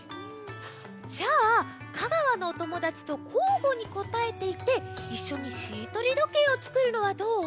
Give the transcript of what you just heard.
じゃあ香川のおともだちとこうごにこたえていっていっしょにしりとりどけいをつくるのはどう？